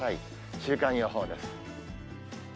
週間予報です。